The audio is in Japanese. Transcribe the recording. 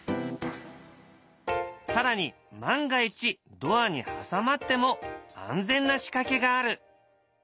更に万が一ドアに挟まっても安全な仕掛けがある。